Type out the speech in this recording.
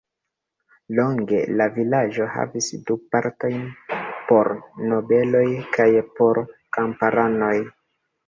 Longe la vilaĝo havis du partojn, por nobeloj kaj por kamparanoj.